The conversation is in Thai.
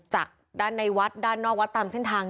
จากด้านในวัดด้านนอกวัดตามเส้นทาง